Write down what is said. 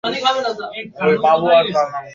বলিয়া কহিয়া কারো নৌকায় খাল পার হইলেই গাওদিয়ার সড়ক।